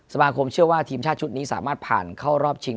สมาคมเชื่อว่าทีมชาติชุดนี้สามารถผ่านเข้ารอบชิง